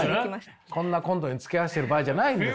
こんなコントにつきあわせてる場合じゃないんです。